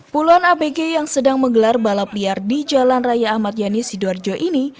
puluhan apg yang sedang menggelar balap liar di jalan raya ahmad yani sidoarjo ini